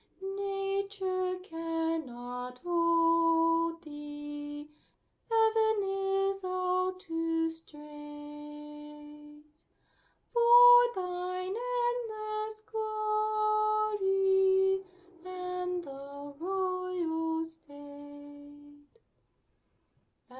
Nature cannot hold Thee, Heav'n is all too strait For Thine endless glory, And Thy royal state.